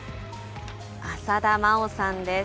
浅田真央さんです。